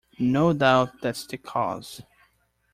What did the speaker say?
No doubt that's the cause.